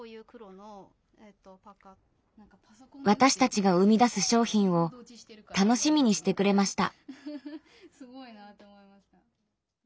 私たちが生み出す商品を楽しみにしてくれました。